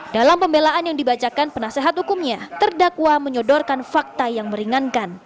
dalam pembelaan yang dibacakan penasehat hukumnya terdakwa menyodorkan fakta yang meringankan